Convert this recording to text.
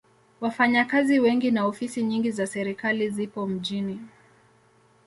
Wafanyakazi wengi na ofisi nyingi za serikali zipo mjini.